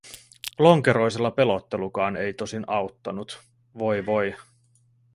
Lonkeroisella pelottelukaan ei tosin auttanut, voi, voi.